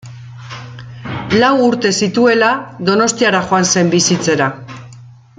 Lau urte zituela, Donostiara joan zen bizitzera.